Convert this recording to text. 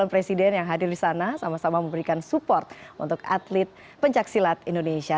presiden yang hadir di sana sama sama memberikan support untuk atlet pencaksilat indonesia